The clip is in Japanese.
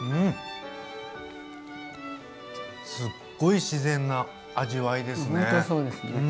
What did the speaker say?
すっごい自然な味わいですね！